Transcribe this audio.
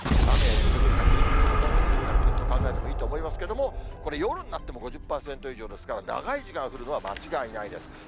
雨や雪の降る確率、ほとんど雪の確率と考えてもいいと思いますけれども、これ、夜になっても５０％以上ですから、長い時間降るのは間違いないです。